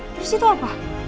terus itu apa